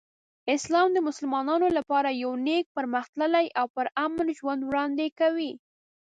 اسلام د مسلمانانو لپاره یو نیک، پرمختللی او پرامن ژوند وړاندې کوي.